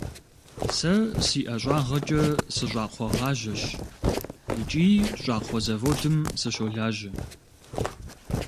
Сэ си ӏэщӏагъэкӏэ сыщӏакхъуэгъажьэщ икӏи щӏакхъуэ заводым сыщолажьэ.